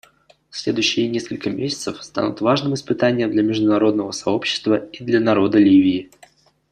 Следующие несколько месяцев станут важным испытанием для международного сообщества и для народа Ливии.